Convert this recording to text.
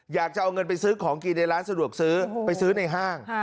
อยากจะเอาเงินไปซื้อของกินในร้านสะดวกซื้อไปซื้อในห้าง